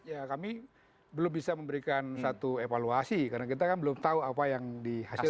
ya kami belum bisa memberikan satu evaluasi karena kita kan belum tahu apa yang dihasilkan